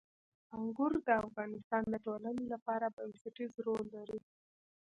انګور د افغانستان د ټولنې لپاره بنسټيز رول لري.